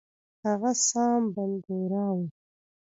هغه سام بنګورا وو.